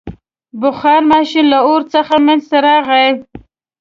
• بخار ماشین له اور څخه منځته راغی.